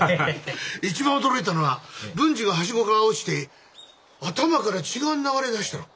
一番驚いたのは文治がハシゴから落ちて頭から血が流れ出したろ。